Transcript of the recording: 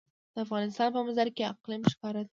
د افغانستان په منظره کې اقلیم ښکاره ده.